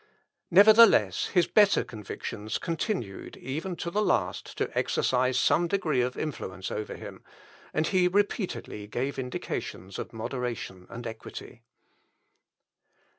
Nevertheless, his better convictions continued even to the last to exercise some degree of influence over him, and he repeatedly gave indications of moderation and equity.